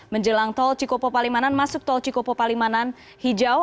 menjelang tol cikopo palimanan masuk tol cikopo palimanan hijau